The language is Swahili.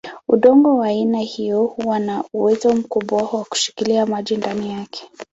Udongo wa aina hiyo huwa na uwezo mkubwa wa kushika maji ndani yake.